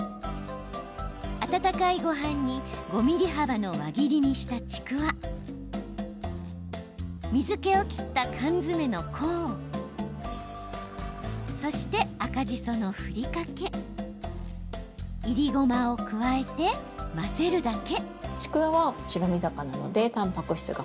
温かいごはんに、５ｍｍ幅の輪切りにした、ちくわ水けを切った缶詰のコーンそして、赤じそのふりかけいりごまを加えて混ぜるだけ。